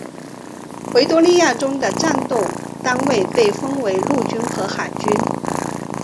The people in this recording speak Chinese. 维多利亚中的战斗单位被分为陆军和海军。